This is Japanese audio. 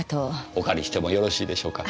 お借りしてもよろしいでしょうか？